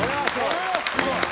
これはすごい。